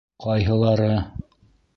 Ҡайһылары: